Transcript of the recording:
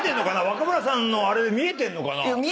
若村さんのあれ見えてんのかな？